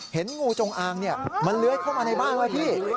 เห็นงูจงอางมันเลื้อยเข้ามาในบ้านไหมพี่